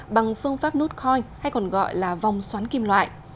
bằng phương pháp nudcoin hay còn gọi là vòng xoắn kim loại